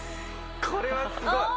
これはすごい！